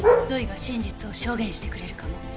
ゾイが真実を証言してくれるかも。